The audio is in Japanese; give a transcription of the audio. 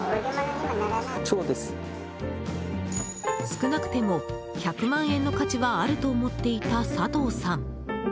少なくても１００万円の価値はあると思っていた佐藤さん。